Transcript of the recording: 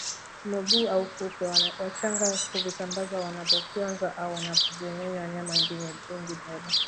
mabuu au kupe wachanga huvisambaza wanapowafyonza au wanapowanyonya wanyama wengine damu